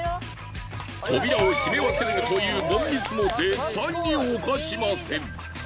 扉を閉め忘れるという凡ミスも絶対に犯しません。